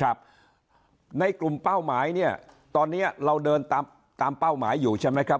ครับในกลุ่มเป้าหมายเนี่ยตอนนี้เราเดินตามเป้าหมายอยู่ใช่ไหมครับ